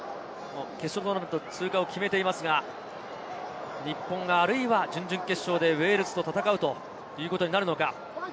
決勝トーナメント通過を決めていますが、日本が準々決勝でウェールズと戦うということになるのか。